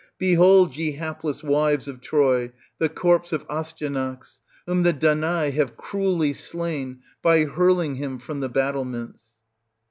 Behold, ye hapless wives of Troy, the corpse of Astyanax ! whom the Danai have cruelly slain by hurling him from the battlements.